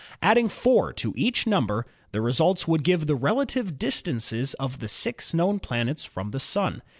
Adding 4 to each number, the results would give the relative distances of the six known planets from the Sun.